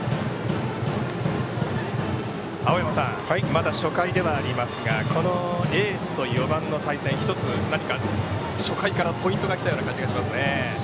まだ初回ではありますがエースと４番の対戦１つ何か初回からポイントがきたような感じがしますね。